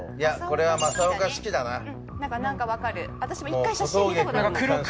これは正岡子規だなうん何か分かる私も１回写真見たことあるもん